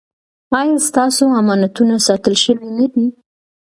ایا ستاسو امانتونه ساتل شوي نه دي؟